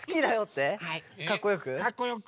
かっこよく？